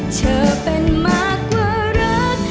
เธอเป็นมากกว่ารัก